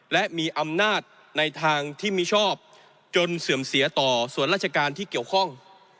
และมีอำนาจในทางที่มิชอบจนเสื่อมเสียต่อส่วนราชการที่เกี่ยวข้อง